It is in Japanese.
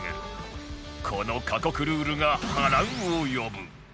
この過酷ルールが波乱を呼ぶ